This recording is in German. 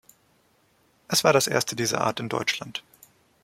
Es war das erste dieser Art in Deutschland.